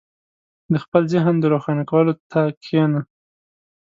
• د خپل ذهن د روښانه کولو ته کښېنه.